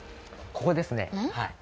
ここですねはい。